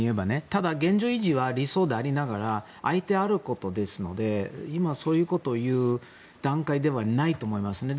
ただ、現状維持は理想でありながら相手があることですので今、そういうことを言う段階ではないと思いますね。